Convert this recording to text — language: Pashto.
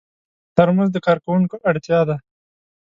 ترموز د کارکوونکو اړتیا ده.